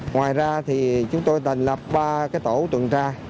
ngoài ra thì chúng tôi thành lập ba tổ tuần tra